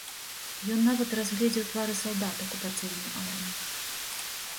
Ён нават разгледзеў твары салдат акупацыйнай арміі.